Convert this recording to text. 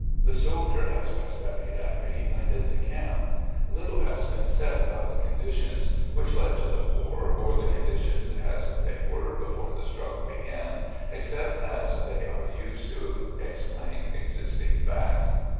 The soldier has been studied after he went into camp. Little has been said about the conditions which led to the war or the conditions as they were before the struggle began except as they are used to explain existing facts.